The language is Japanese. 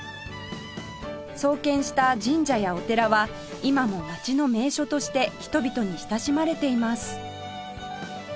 創建した神社やお寺は今も街の名所として人々に親しまれています